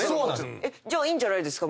じゃあいいんじゃないですか？